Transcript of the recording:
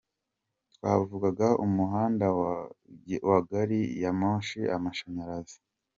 Twavugaga umuhanda wa gari ya moshi, amashanyarazi.